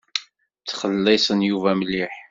Ttxelliṣen Yuba mliḥ.